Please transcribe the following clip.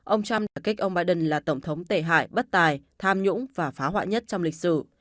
ông trump đã kích ông biden là tổng thống tể hải bất tài tham nhũng và phá hoại nhất trong lịch sử